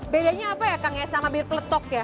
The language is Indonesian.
bedanya apa ya kang ya sama beer peletok ya